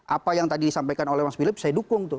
apa yang tadi disampaikan oleh mas philip saya dukung tuh